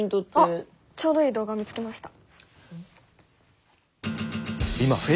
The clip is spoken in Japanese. あっちょうどいい動画を見つけました。